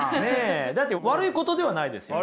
だって悪いことではないですよね。